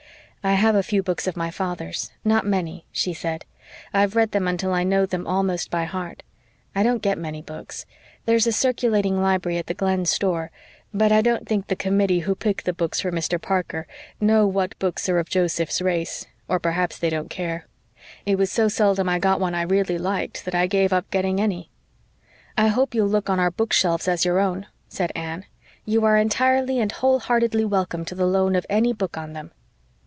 "I have a few books of father's not many," she said. "I've read them until I know them almost by heart. I don't get many books. There's a circulating library at the Glen store but I don't think the committee who pick the books for Mr. Parker know what books are of Joseph's race or perhaps they don't care. It was so seldom I got one I really liked that I gave up getting any." "I hope you'll look on our bookshelves as your own," said Anne. "You are entirely and wholeheartedly welcome to the loan of any book on them."